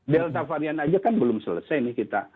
delta varian aja kan belum selesai nih kita